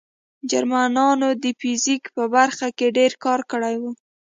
جرمنانو د فزیک په برخه کې ډېر کار کړی و